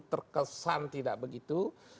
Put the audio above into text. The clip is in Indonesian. terkesan tidak begitu